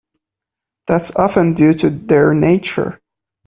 That's often due to their nature.